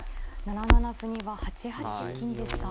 ７七歩には８八金ですか。